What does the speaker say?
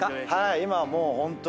今はもうホントに。